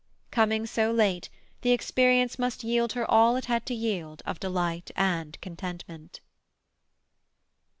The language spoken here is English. Coming so late, the experience must yield her all it had to yield of delight and contentment.